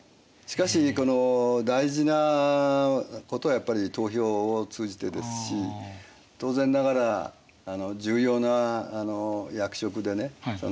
しかし大事なことはやっぱり投票を通じてですし当然ながら重要な役職でね